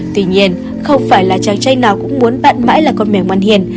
tuy nhiên không phải là chàng trai nào cũng muốn bạn mãi là con mèo hiền